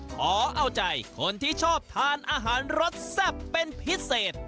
ขอเอาใจคนที่ชอบทานอาหารรสแซ่บเป็นพิเศษ